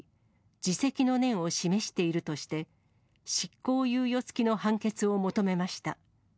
自責の念を示しているとして、執行猶予付きの判決を求めました。